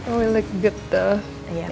oh terlihat bagus